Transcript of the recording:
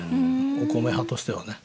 お米派としてはね。